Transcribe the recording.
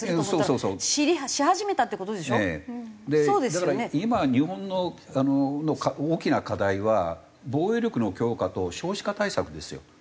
だから今日本の大きな課題は防衛力の強化と少子化対策ですよ。